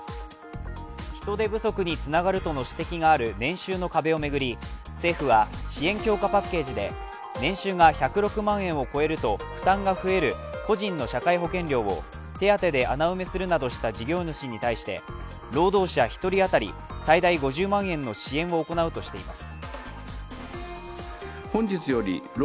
人手不足につながるとの指摘がある年収の壁を巡り政府は支援強化パッケージで年収が１０６万円を超えると負担が増える個人の社会保険料を手当で穴埋めするなどした事業主に対して労働者１人当たり最大５０万円の支援を行うとしています。